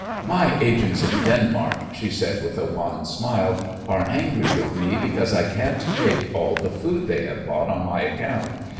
"My agents in Denmark," she said, with a wan smile, "are angry with me because I can't take all the food they have bought on my account.